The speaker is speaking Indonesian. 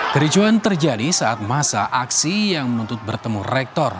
kericuan terjadi saat masa aksi yang menuntut bertemu rektor